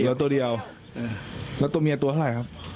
เดี๋ยวตัวเดียวแล้วตัวเมียตัวเท่าไรครับ